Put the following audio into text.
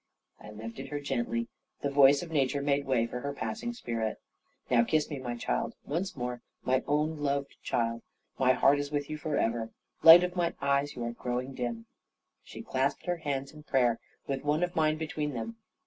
I lifted her gently. The voice of nature made way for her passing spirit. "Now kiss me, my child; once more, my own loved child, my heart is with you for ever. Light of my eyes, you are growing dim." She clasped her hands in prayer, with one of mine between them.